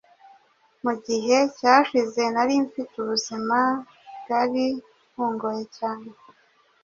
Mu gihe cyashize nari mfite ubuzima bwari bungoye cyane